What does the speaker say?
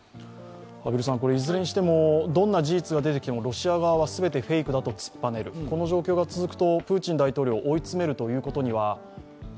いずれにしてもどんな事実が出てきてもロシア側は全てフェイクだと突っぱねる、この状況が続くと、プーチン大統領を追い詰めるのは。